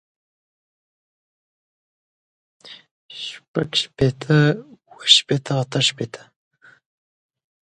شپږ شپېته اووه شپېته اتۀ شپېته